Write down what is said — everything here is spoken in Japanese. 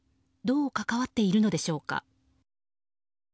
どう関わっているのでしょうか。